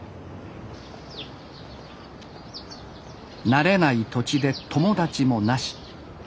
慣れない土地で友達もなし。